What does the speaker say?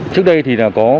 trước đây thì